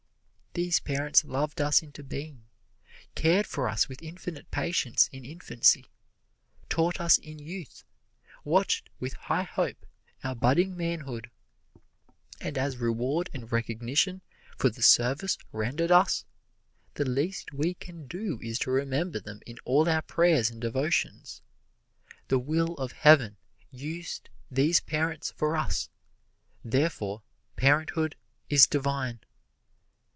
These parents loved us into being, cared for us with infinite patience in infancy, taught us in youth, watched with high hope our budding manhood; and as reward and recognition for the service rendered us, the least we can do is to remember them in all our prayers and devotions. The will of Heaven used these parents for us, therefore parenthood is divine.